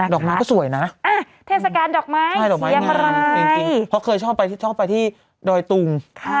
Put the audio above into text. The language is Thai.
ดอกไม้ก็สวยนะใช่ดอกไม้เงินจริงเพราะเคยชอบไปที่ดอยตุง